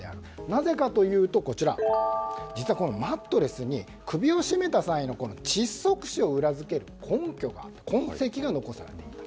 なぜかというと実は、このマットレスに首を絞めた際の窒息死を裏付ける根拠、痕跡が残されている。